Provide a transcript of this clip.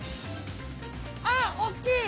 あっおっきい！